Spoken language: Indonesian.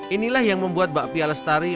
inilah yang membuat bakpia lestari